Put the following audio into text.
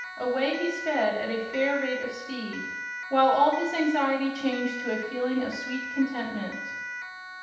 away he sped at a fair rate of speed, while all his anxiety changed to a feeling of sweet contentment.